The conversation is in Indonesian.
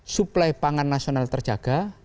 suplai pangan nasional terjaga